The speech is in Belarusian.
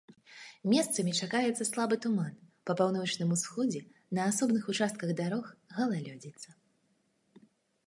Месцамі чакаецца слабы туман, па паўночным усходзе на асобных участках дарог галалёдзіца.